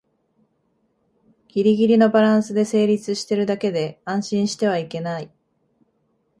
ギリギリのバランスで成立してるだけで安心してはいけない